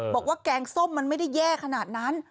แกงส้มมันไม่ได้แย่ขนาดนั้น